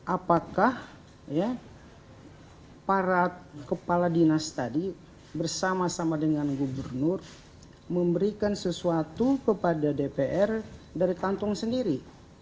apakah para kepala dinas tadi bersama sama dengan gubernur memberikan sesuatu kepada dpr dari kantong sendiri